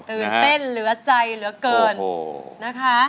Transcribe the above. ตื่นเต้นเหลือใจเหลือเกินนะคะ